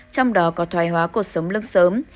trong đó có thoài hóa cột sống lưng sớm